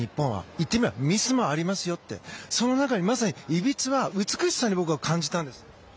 言ってみればミスもありますよって、その中でまさにいびつな僕は美しさに感じたんですよ。